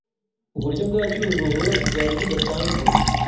Uburyo bwa Cyuzuzo bwari budasanzwe.